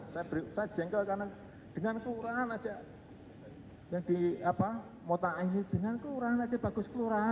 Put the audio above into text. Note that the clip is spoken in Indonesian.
saya jengkel karena dengan kelurahan aja yang di mota ini dengan kelurahan aja bagus kelurahan